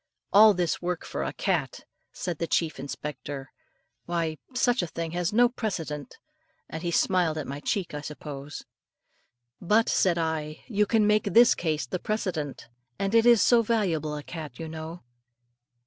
"All this work for a cat!" said the chief inspector. "Why, such a thing has no precedent;" and he smiled at my cheek, I suppose. "But," said I, "you can make this case the precedent; and it is so valuable a cat, you know."